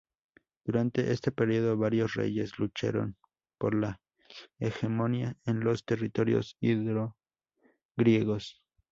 Durante este periodo, varios reyes lucharon por la hegemonía en los territorios indogriegos.